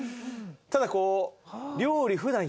ただこう。